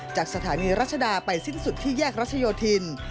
จากสถานีรัชดาไปสิ้นสุดที่แยกรัชโยธิน